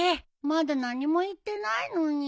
まだ何も言ってないのに。